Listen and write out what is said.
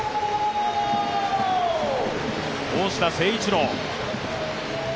大下誠一郎。